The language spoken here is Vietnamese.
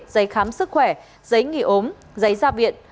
giấy khám sức khỏe giấy nghỉ ốm giấy ra viện